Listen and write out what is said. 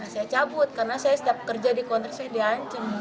saya cabut karena saya setiap kerja di kontrak saya diancam